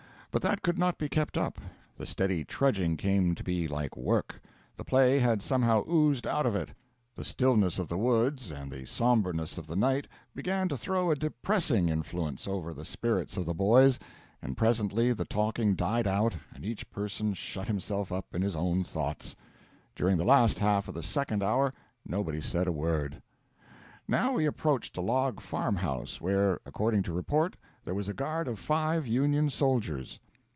But that could not be kept up. The steady trudging came to be like work; the play had somehow oozed out of it; the stillness of the woods and the sombreness of the night began to throw a depressing influence over the spirits of the boys, and presently the talking died out and each person shut himself up in his own thoughts. During the last half of the second hour nobody said a word. Now we approached a log farm house where, according to report, there was a guard of five Union soldiers.